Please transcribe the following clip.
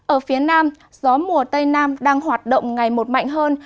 ở phía nam gió mùa tây nam đang hoạt động ngày một mạnh hơn